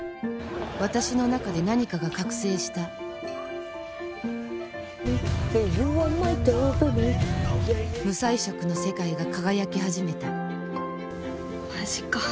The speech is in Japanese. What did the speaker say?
私の中で何かが覚醒した無彩色の世界が輝き始めたマジか。